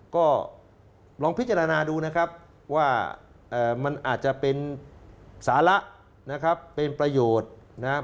ก็ลองพิจารณาดูนะครับว่ามันอาจจะเป็นสาระนะครับเป็นประโยชน์นะครับ